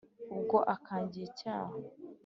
ubwo akangiye icyanya